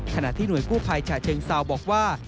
ขณะที่หน่วยกู้ภัยฉะเชิงเซาบอกว่า